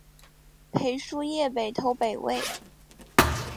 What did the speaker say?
裴叔业北投北魏。